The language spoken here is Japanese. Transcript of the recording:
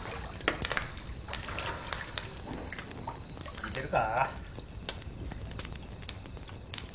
・聞いてるか？